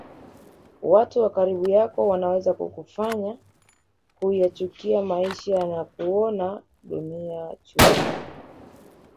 Watu wa karibu yako wanaweza kukufanya kuyachukia maisha na kuona dunia chungu